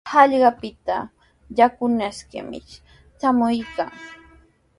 Hallqapita yakunashqami traamurqan.